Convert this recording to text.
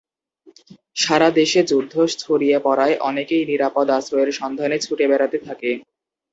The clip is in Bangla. সারা দেশে যুদ্ধ ছড়িয়ে পড়ায় অনেকেই নিরাপদ আশ্রয়ের সন্ধানে ছুটে বেড়াতে থাকে।